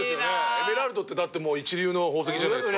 エメラルドってだって一流の宝石じゃないですか。